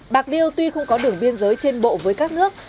bạc liêu tuy không có đường biên giới trên bộ với các nước